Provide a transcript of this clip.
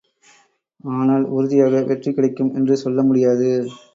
ஆனால் உறுதியாக வெற்றி கிடைக்கும் என்று சொல்ல முடியாது.